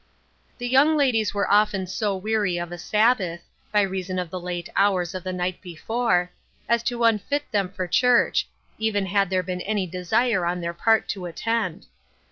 The young ladies were often so weary of a Sab bath — by reason of the late hours of the night before — as to unfit them for church, even had there been any desire on their part to attend.